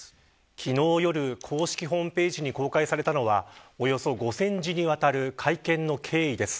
昨日夜、公式ホームページで公開されたのはおよそ５０００字にわたる会見の経緯です。